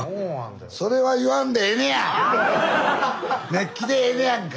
熱気でええねやんか！